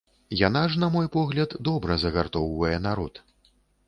Яна ж, на мой погляд, добра загартоўвае народ.